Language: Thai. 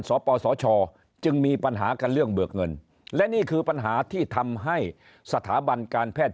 สปสชจึงมีปัญหากันเรื่องเบิกเงินและนี่คือปัญหาที่ทำให้สถาบันการแพทย์